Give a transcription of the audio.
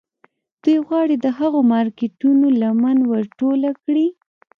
دوی غواړي د هغو مارکيټونو لمن ور ټوله کړي.